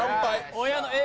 親のＡぇ！